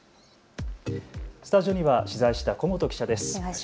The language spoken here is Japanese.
スタジオには取材した古本記者です。